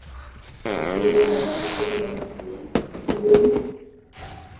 কৃষ্ণদয়াল আশ্চর্য হইয়া কহিলেন, ত্রিবেণী!